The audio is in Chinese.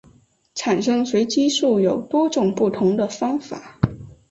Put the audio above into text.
产生随机数有多种不同的方法。